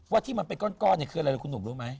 ว่าที่มันเป็นก้อนคืออะไรครับคุณหนุ่มรู้ไหม